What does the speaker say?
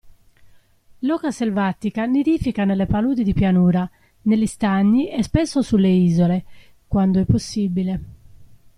L'oca selvatica nidifica nelle paludi di pianura, negli stagni e spesso sulle isole, quando è possibile.